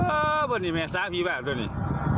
โอ้พ่นนี่แม่ส้าพี่บ้าตัวนี่